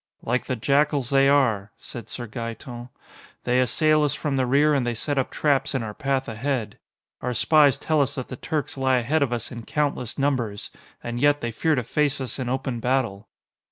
"Like the jackals they are," said Sir Gaeton. "They assail us from the rear, and they set up traps in our path ahead. Our spies tell us that the Turks lie ahead of us in countless numbers. And yet, they fear to face us in open battle."